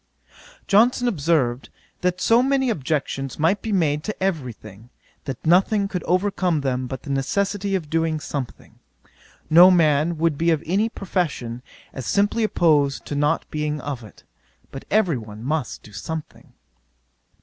'Johnson observed, that so many objections might be made to every thing, that nothing could overcome them but the necessity of doing something. No man would be of any profession, as simply opposed to not being of it: but every one must do something.